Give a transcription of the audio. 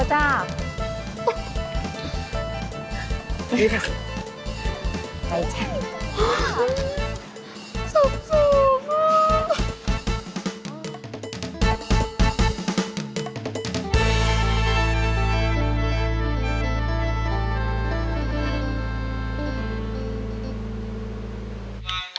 สามสอง